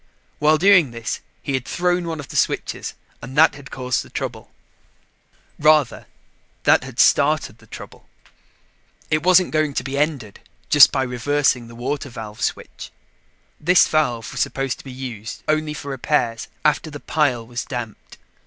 While doing this, he had thrown one of the switches and that had caused the trouble. Rather, that had started the trouble. It wasn't going to be ended by just reversing the water valve switch. This valve was supposed to be used only for repairs, after the pile was damped.